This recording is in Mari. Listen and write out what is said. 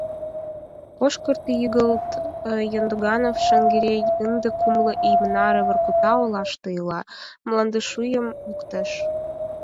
Пошкырт йыгыт Яндуганов Шаҥгерей ынде кумло ий наре Воркута олаште ила, мландышӱйым луктеш.